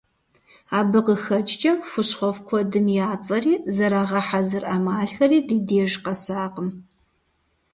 Абы къыхэкӏкӏэ, хущхъуэфӏ куэдым я цӏэри, зэрагъэхьэзыр ӏэмалхэри ди деж къэсакъым.